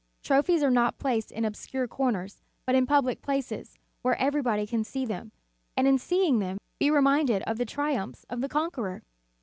Trophies are not placed in obscure corners, but in public places, where everybody can see them, and in seeing them be reminded of the tri umphs of the conqueror.